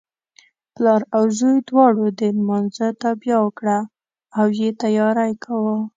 پلار او زوی دواړو د لمانځه تابیا وکړه او یې تیاری کاوه.